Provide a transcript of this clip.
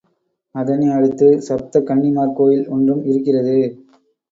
அதனை அடுத்து சப்த கன்னிமார் கோயில், ஒன்றும் இருக்கிறது.